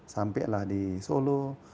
sampailah di solo